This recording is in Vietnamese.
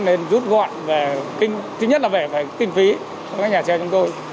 nên rút gọn về thứ nhất là về kinh phí cho các nhà xe chúng tôi